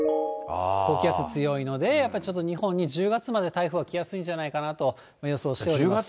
高気圧強いので、やっぱりちょっと日本に１０月まで台風は来やすいんじゃないかなと予想しております。